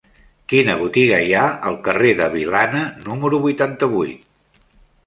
Quina botiga hi ha al carrer de Vilana número vuitanta-vuit?